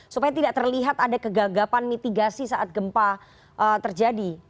supaya tidak terlihat ada kegagapan mitigasi saat gempa terjadi